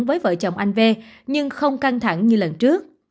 với vợ chồng anh v nhưng không căng thẳng như lần trước